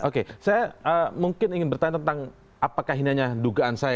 oke saya mungkin ingin bertanya tentang apakah ini hanya dugaan saya